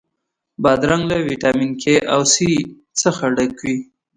بادرنګ له ویټامین K او C ډک وي.